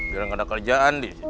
biar gak ada kerjaan dih